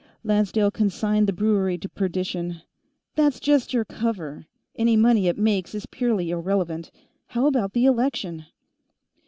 Lancedale consigned the brewery to perdition. "That's just your cover; any money it makes is purely irrelevant. How about the election?"